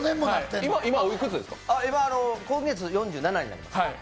今月４７になります。